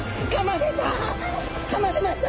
かまれました！